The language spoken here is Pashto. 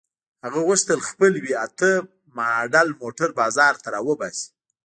هغه غوښتل خپل وي اته ماډل موټر بازار ته را وباسي.